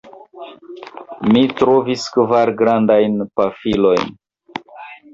Mi trovis kvar grandajn pafilojn.